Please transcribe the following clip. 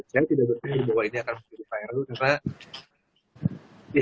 saya tidak berpikir bahwa ini akan menjadi viral